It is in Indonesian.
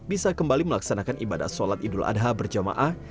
bisa kembali melaksanakan ibadah sholat idul adha berjamaah